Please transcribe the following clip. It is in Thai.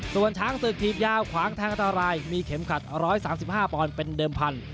ส่วนช้างศึกถีบยาวขวางแทงอันตรายมีเข็มขัด๑๓๕ปอนด์เป็นเดิมพันธ